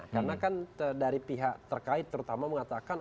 karena kan dari pihak terkait terutama mengatakan